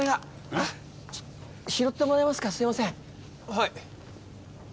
はい。